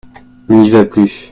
n'y va plus.